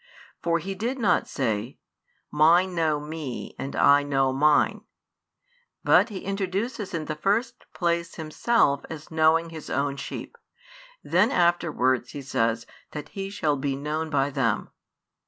For He did not say: "Mine know Me and I know Mine," but He introduces in the first place Himself as knowing His own sheep, then afterwards He says that He shall be known by them.